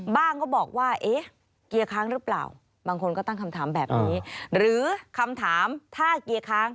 บ้างก็บอกว่าเอ๊ะเกลียวค้างหรือเปล่า